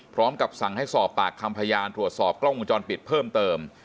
พร้อมกับสั่งให้สอบปากคำพยานตรวจสอบกล้องวงจรปิดเพิ่มเติม